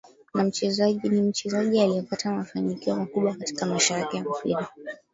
Ni mchezaji aliyepata mafanikio makubwa katika maisha yake ya mpira